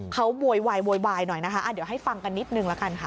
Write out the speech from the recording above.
เขาบวยวายหน่อยนะคะเดี๋ยวให้ฟังกันนิดหนึ่งแล้วกันค่ะ